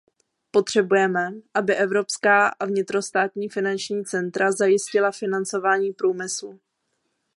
Potřebujeme, aby evropská a vnitrostátní finanční centra zajistila financování průmyslu.